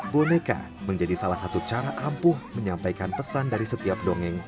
boneka menjadi salah satu cara ampuh menyampaikan pesan dari setiap dongeng